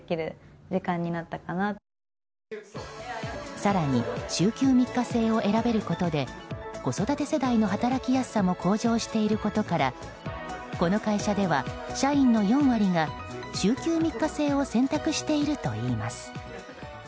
更に週休３日制を選べることで子育て世代の働きやすさも向上していることからこの会社では社員の４割が、週休３日制を選択しているといいます。